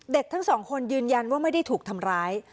ทั้งสองคนยืนยันว่าไม่ได้ถูกทำร้าย